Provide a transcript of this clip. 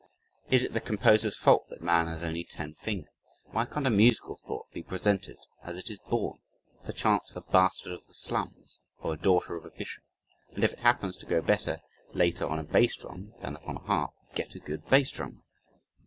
Is it the composer's fault that man has only ten fingers? Why can't a musical thought be presented as it is born perchance "a bastard of the slums," or a "daughter of a bishop" and if it happens to go better later on a bass drum (than upon a harp) get a good bass drummer.